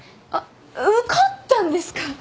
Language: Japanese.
あっ受かったんですか。